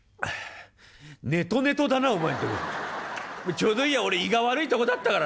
ちょうどいいや俺胃が悪いとこだったから。